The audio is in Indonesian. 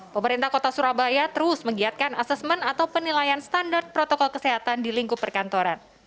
pemerintah kota surabaya terus menggiatkan asesmen atau penilaian standar protokol kesehatan di lingkup perkantoran